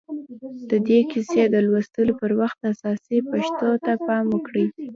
د دې کيسې د لوستلو پر وخت اساسي پېښو ته پام وکړئ.